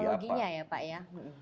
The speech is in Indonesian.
teknologinya ya pak ya